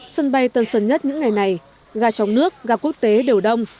sân bay tân sơn nhất những ngày này gà trong nước gà quốc tế đều đông